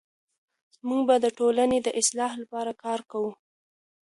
موږ به د ټولنې د اصلاح لپاره کار کوو.